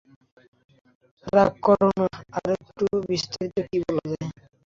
রাগ করো না, আরেকটু বিস্তারিত কি বলা যায়?